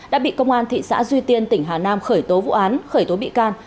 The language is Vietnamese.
đã bị công an thị xã duy tiên tỉnh hà nam khởi tố vụ án khởi tố bị can